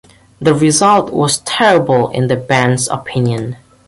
The result was terrible in the band's opinion.